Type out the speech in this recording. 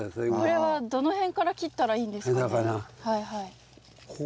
これはどの辺から切ったらいいんですかね。